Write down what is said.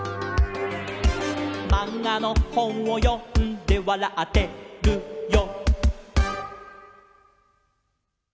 「まんがのほんをよんでわらってるよ」